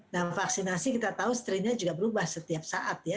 dan vaksinasi kita tahu strain nya juga berubah setiap saat ya